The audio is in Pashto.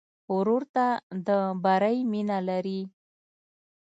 ورور ته د بری مینه لرې.